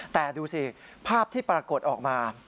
แต่ดูสิภาพที่ปรากฏออกมา